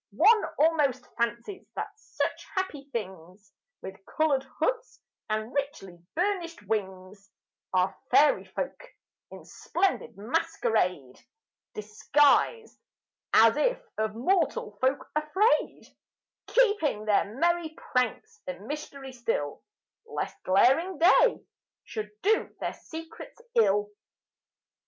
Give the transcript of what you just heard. One almost fancies that such happy things, With coloured hoods and richly burnished wings, Are fairy folk, in splendid masquerade Disguised, as if of mortal folk afraid, Keeping their merry pranks a mystery still, Lest glaring day should do their secrets ill.